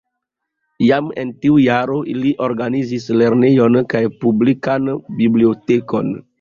Jam en tiu jaro li organizis lernejon kaj publikan bibliotekon.